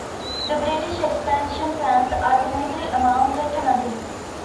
The British expansion plans ultimately amounted to nothing.